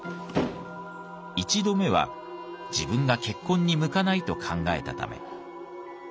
１度目は自分が結婚に向かないと考えたため。